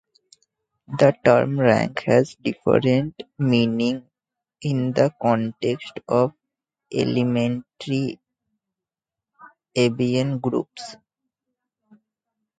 The term rank has a different meaning in the context of elementary abelian groups.